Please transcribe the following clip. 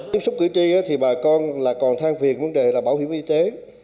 tiếp xúc cử tri thì bà con là còn thang phiền vấn đề là bảo hiểm y tế